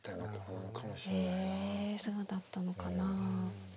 えそうだったのかなあ。